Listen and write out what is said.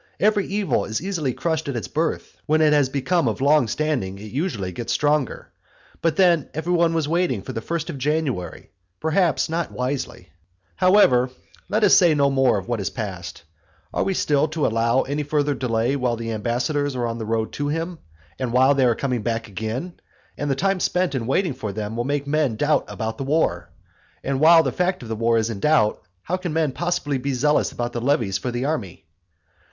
Every evil is easily crushed at its birth, when it has become of long standing, it usually gets stronger. But then everybody was waiting for the first of January, perhaps not very wisely. XII However, let us say no more of what is past. Are we still to allow any further delay while the ambassadors are on their road to him? and while they are coming back again? and the time spent in waiting for them will make men doubt about the war. And while the fact of the war is in doubt, how can men possibly be zealous about the levies for the army?